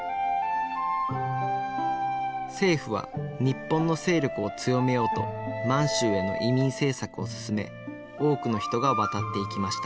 政府は日本の勢力を強めようと満州への移民政策をすすめ多くの人が渡っていきました